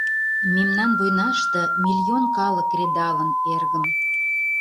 Мемнан войнаште мильон калык кредалын, эргым...